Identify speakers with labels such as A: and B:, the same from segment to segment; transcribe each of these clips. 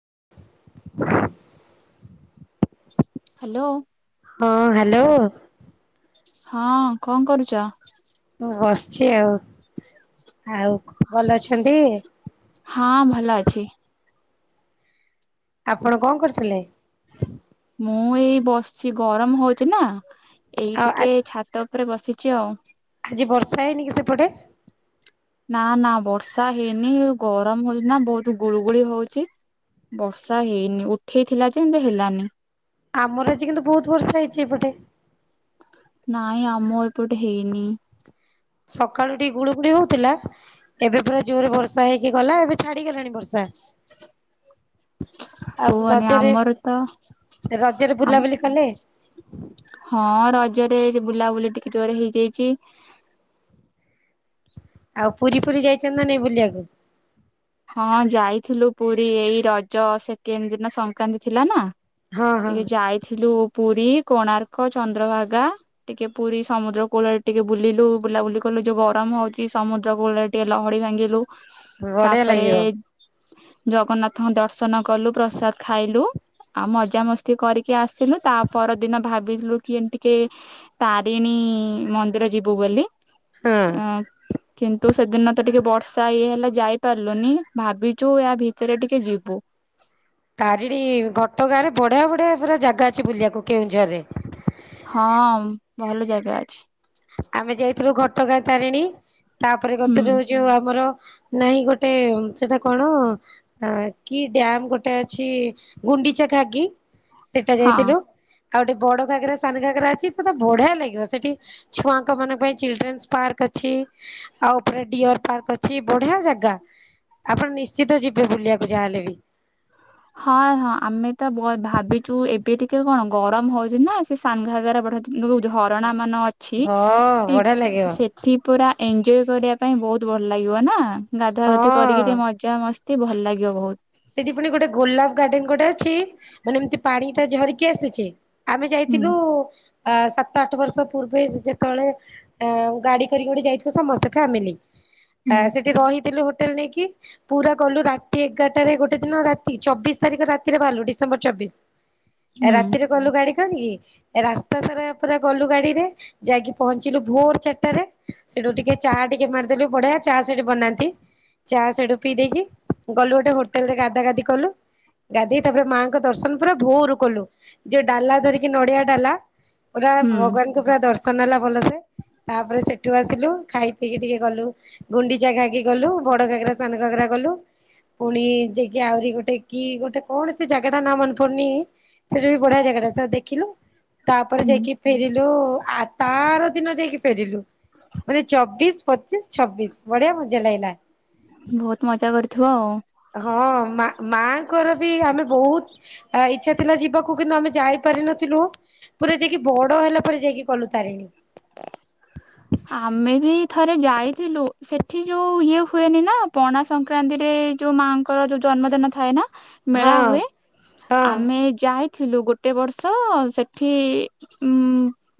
A: [inaudible]
B: Hello.
A: ହଁ hello.
B: ହଁ କଣ କରୁଛ?
A: ମୁଁ ବସିଛି ଆଉ ଆଉ ଭଲ ଅଛନ୍ତି?
B: ହଁ ଭଲ ଅଛି ।
A: ଆପଣ କଣ କରୁଥିଲେ?
B: ମୁଁ ଏଇ ବସିଛି ଗରମ ହଉଛି ନା ଏଇ
A: ଆଉ ଆ
B: ଟିକେ ଛାତ ଉପରେ ବସିଛି ଆଉ ।
A: ଆଜି ବର୍ଷା ହେଇନି କି ସେପଟେ?
B: ନା ନା ବର୍ଷା ହେଇନି ଗରମ ହଉଛି ନା ବହୁତ ଗୁଳୁ ଗୁଳି ହଉଛି । ବର୍ଷା ହେଇନି ଉଠେଇଥିଲା ଯେ କିନ୍ତୁ ହେଲାନି ।
A: ଆମର ଆଜି କିନ୍ତୁ ବହୁତ ବର୍ଷ ହେଇଛି ଏପଟେ ।
B: ନାଇଁ ଆମ ଏପଟେ ହେଇନି ।
A: [inaudible] ସକାଳୁ ଟିକେ ଗୁଳୁଗୁଳି ହଉଥିଲା ଏବେ ପୁରା ଜୋରରେ ବର୍ଷା ହେଇକି ଗଲା ଏବେ ଛାଡିଗଲାଣି ବର୍ଷା । [inaudible] ଆଉ
B: କୁହନି
A: ରଜରେ
B: ଆମର ତ
A: ରଜରେ
B: ଆମ
A: ବୁଲାବୁଲି କଲେ?
B: ହଁ ରଜରେ ବୁଲାବୁଲି ଟିକେ ଜୋରେ ହେଇଯାଇଛି ।
A: ଆଉ ପୁରୀ ଫୁରୀ ଯାଇଛନ୍ତି ନା ନାଇ ବୁଲିବାକୁ?
B: ହଁ ଯାଇଥିଲୁ ପୁରୀ ଏଇ ରଜ ସେକେଣ୍ଡ ଦିନ ସଂକ୍ରାନ୍ତି ଥିଲା ନା
A: ହଁ ହଁ
B: ଟିକେ ଯାଇଥିଲୁ ପୁରୀ । ପୁରୀ କୋଣାର୍କ ଚନ୍ଦ୍ରଭାଗା ଟିକେ ପୁରୀ ସମୁଦ୍ର କୂଳରେ ଟିକେ ବୁଲିଲୁ ବୁଲାବୁଲି କଲୁ ଯୋଉ । ଗରମ ହଉଚି ସମୁଦ୍ର କୂଳରେ ଟିକେ ଲହଡି ଭାଙ୍ଗିଲୁ ।
A: ବଢିଆ ଲାଗିବ ।
B: ଜଗନ୍ନାଥଙ୍କ ଦର୍ଶନ କଲୁ ପ୍ରସାଦ ଖାଇଲୁ ଆଉ ମଜା ମସ୍ତି କରିକି ଆସିଲୁ । ତା ପରଦିନ ଭାବିଥିଲୁ କି ଏମିତିିକେ ତାରିଣୀ ମନ୍ଦିର ଯିବୁ ବୋଲି ।
A: ହଁ।
B: ଅ କିନ୍ତୁ ସେଦିନ ତ ଟିକେ ବର୍ଷା ଇଏ ହେଲା ଯାଇ। ପାରିଲୁନି ଭାବିଛୁ ୟା ଭିତରେ ଟିକେ ଯିବୁ ।
A: ତାରିଣୀ ଘଟଗାଁ ରେ ବଢିଆ ବଢିଆ ପୁରା ଜାଗା ଅଛି ବୁଲିବାକୁ କେଉଁଝର ରେ।
B: ହଁ ଭଲ ଜାଗା ଅଛି ।
A: ଆମେ ଯାଇଥିଲୁ ଘଟଗାଁ ତାରିଣୀ ତାପରେ
B: ହୁଁ
A: ଗତରେ ହଉଚ ଆମର ନାଇଁ ଗୋଟେ ସେଟା କଣ କି ଡ୍ୟାମ ଗୋଟେ ଅଛି ଗୁଣ୍ଡିଚାଘାଗି। ସେଇଟା
B: ହଁ।
A: ଯାଇଥିଲୁ ଆଉ ଗୋଟେ ବଡ ଘାଗରା ସାନ ଘାଗରା ଅଛି ସେଟା ବଢିଆ ଲାଗିବ ସେଠି । ଛୁଆଙ୍କ ମାନଙ୍କ ପାଇଁ ଚିଲଡ୍ରେନ୍ସ ପାର୍କ ଅଛି ଆଉ ଉପରେ ଡିଅର ପାର୍କ ଅଛି ବଢିଆ ଜାଗା । ଆପଣ ନିଶ୍ଚିତ ଯିବେ ବୁଲିବାକୁ ଯାହାହେଲେ ବି ।
B: ହଁ ହଁ ଟ କଣ ଗରମ ହଉଛି ନା ସେ ସାନଘାଗାରେ ଯଉ ଝରଣା ମାନ ଅଛି
A: ହଁ
B: ଠିକ
A: ବଢିଆ ଲାଗିବ
B: ସେଠି ପୁରା। ଏଞ୍ଜୟ୍ କରିବା ପାଇଁ ବହୁତ ଭଲ ଲାଗିବ ନା ଗାଧା ଗୁଧି କରିକି
A: ହଁ।
B: ଟିକେ ମଜା ମସ୍ । ଭଲ ଲାଗିବ ବହୁତ।
A: ସେଠି ପୁଣି ଗୋଟେ ଗୋଲାପ ଗାର୍ଡେନ ଗୋଟେ ଅଛି ମାନେ ଏମତି ପାଣି ଟା ଝରିକି ଆସିଛି। ଆମେ
B: ହୁଁ
A: ଯାଇଥିଲୁ। ଆ ସାତ ଆଠ ବର୍ଷ ପୂର୍ବେ ଯେତେବେଳେ ଗାଡି କରି ଗୋଟେ ଯାଇଥିବ ସମସ୍ତେ ଫ୍ୟାମିଲି। ଆ
B: ହୁଁ।
A: ସେଠି ରହିଥିଲୁ ହୋଟେଲ ନେଇକି ପୁରା କଲୁ ରାତି ଏଗାର ଗୋଟେ ଦିନ ରାତି ଚବିଶ ତାରିଖ ରାତିରେ ବାହାରିଲୁ ଡିସେମ୍ବର ଚବିଶ
B: ହୁଁ
A: ରାତିରେ ଗଲୁ ଗାଡି ରାସ୍ତା ସାରା ଗଲୁ ଗାଡିରେ ଯାଇକି ପହଞ୍ଚିଲୁ ଭୋର ଚାରିଟାରେ। ସେଠୁ ଟିକେ ଚା ଟିକେ ମାରିଦେଲେ ବଢିଆ ଚା ସେଠି ବନାନ୍ତି। ଚା ସେଠୁ ପିଇ ଦେଇେଇକି ଗଲୁ ଗୋଟେ ହୋଟେଲ ରେ ଗାଧା ଗାଧି କଲୁ। ଗାଧେଇ ତାପରେ ମାଆଙ୍କ ଦର୍ଶନ ପୁରା ଭୋଉରୁ କଲୁ ଯିଉ ଡାଲା ଧରିକି ନଡିଆ ଡାଲା। ପୁରା
B: ହୁଁ
A: ଭଗବାନଙ୍କୁ ପୁରା ଦର୍ଶ ଶନ ହେଲା ଭଲସେ ତାପରେ ସେଠୁ ଆସିଲୁ ଖାଇ ପିଇକି ଟିକେ ଗଲୁ ଗୁଣ୍ଡିଚାଗାକି ଗଲୁ। ବଡ ଘାଗରା ସାନ ଘାଗରା ଗଲୁ ପୁଣି ଯାଇକି ଆହୁରି ଗୋଟେ କି ଗୋଟେ କଣ ସେ ଜାଗା ଟା ନାଁ ମନେ ପଡୁନି। ସେଟା ବି ବଢିଆ ଜାଗା ଟା ତ ଦେଖିଲୁ ତାପରେ
B: ହୁଁ
A: ଯାଇକି ଫେରିଲୁ। ଆ ତାର ଦିନ ଯାଇକି ଫେରିଲୁ ମାନେ ଚବିଶ ପଚିଶ ଛବିଶ ବଢିଆ ମଜା ଲାଗିଲା।
B: ବହୁତ ମଜା କରିଥିବ ଆଉ
A: ହଁ ମା ମାଙ୍କର ବି ଆମେ ବହୁତ ଇଚ୍ଛା ଥିଲା ଯିବାକୁ କିନ୍ତୁ ଆମେ ଯାଇ ପାରିନଥିଲୁ। ପୁରା ଯାଇକି ବଡ ହେଲା ପରେ ଯାଇକି କଲୁ। ତାରିଣୀ।
B: ଆମେ ବି ଥରେ ଯାଇ ଯାଇଥିଲୁ ସେଠି ଯୋଉ ଇଏ ହୁଏନି ନା ପଣା ସଂକ୍ରାନ୍ତିରେ ଯୋଉ ମାଙ୍କର ଯୋଉ ଜନ୍ମଦିନ ଥାଏ ନା। ମେଳା
A: ହଁ
B: ହୁଏ
A: ହଁ
B: ଆମେ ଯାଇ ଥିଲୁ ଗୋଟେ ବର୍ଷ ସେଠି ଉ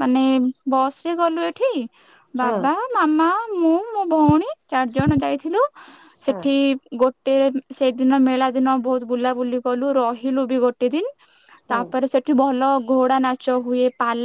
B: ମାନେ ବସ ଗଲୁ ଏଠି
A: ହଁ
B: ବାବା, ମାମା, ମୁଁ, ମୋ ଭଉଣୀ। ଚାରି ଜଣ ଯାଇଥିଲୁ
A: ହଁ
B: ସେଠି ଗୋ ଟେ ସେଇଦିନ ମେଳା ଦିନ ବହୁତ ବୁଲାବୁଲି କଲୁ ରହିଲୁ ବି ଗୋଟେ ଦିନ।
A: ହୁଁ।
B: ତାପରେ ସେଠି ଭଲ ଘୋଡା ନାଚ ହୁଏ ପା